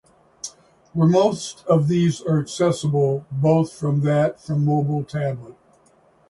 Where most of these are accessible both from that from Mobile Tablet.